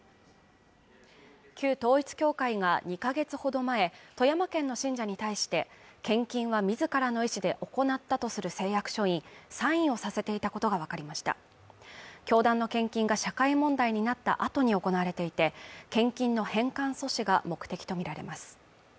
旧統一教会が２か月ほど前富山県の信者に対して献金は自らの意思で行ったとする誓約書にサインをさせていたことが分かりました教団の献金が社会問題になったあとに行われていて献金の返還阻止が目的と見られます